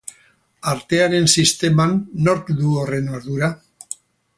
Artearen sisteman nork du horren ardura?